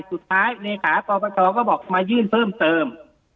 สุดท้ายเหลศาสตร์ปศก็บอกมายื่นเพิ่มเติม